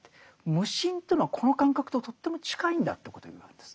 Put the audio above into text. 無心というのはこの感覚ととっても近いんだということを言うわけです。